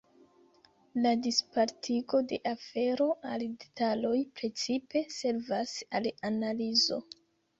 La dispartigo de afero al detaloj precipe servas al analizo.